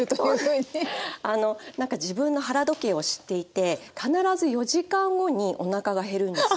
なんか自分の腹時計を知っていて必ず４時間後におなかが減るんですよ。